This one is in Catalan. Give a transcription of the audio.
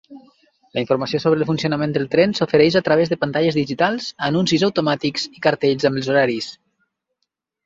La informació sobre el funcionament del tren s'ofereix a través de pantalles digitals, anuncis automàtics i cartells amb els horaris.